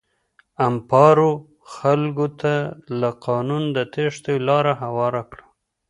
امپارو خلکو ته له قانونه د تېښتې لاره هواره کړه.